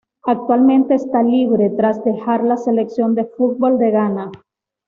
Actualmente está libre, tras dejar la Selección de fútbol de Ghana.